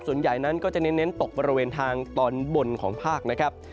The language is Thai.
ส่วนใหญ่นั้นก็จะเน้นตกบริเวณทางตอนบนของภาคนะครับ